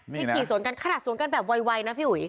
นี่นะที่ขี่สวนกันขนาดสวนกันแบบวัยวัยนะพี่อุ๋ย